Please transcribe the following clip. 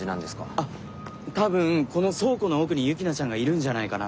あっ多分この倉庫の奥にユキナちゃんがいるんじゃないかな？